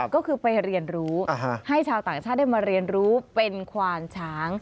ก็คือไปเรียนรู้ให้ชาวต่างชาติได้มาเรียนรู้เป็นควานช้าง